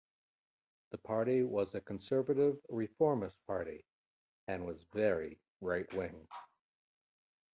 The party was a conservative reformist party and was very right-wing.